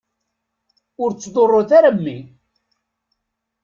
Ur ttḍurrut ara mmi!